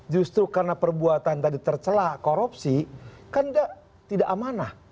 justru karena perbuatan tadi tercelah korupsi kan tidak amanah